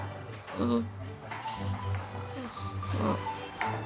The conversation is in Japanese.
うん。